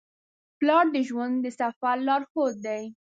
پلار د ژوند د سفر لارښود دی.